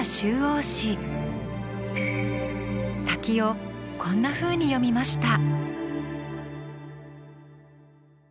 滝をこんなふうに詠みました。